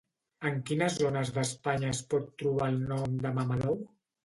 En quines zones d'Espanya es pot trobar el nom de Mamadou?